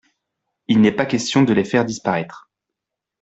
Il n’est pas question de les faire disparaître.